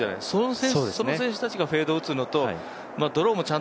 その選手たちがフェードを打つのとドローも